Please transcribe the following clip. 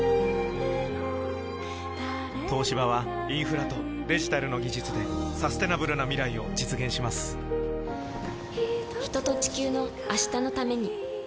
東芝はインフラとデジタルの技術でサステナブルな未来を実現します人と、地球の、明日のために。